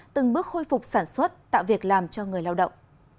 từng bước khôi phục sản xuất tạo việc làm cho người lao động